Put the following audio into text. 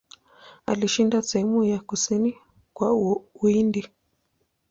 Alishinda sehemu za kusini mwa Uhindi.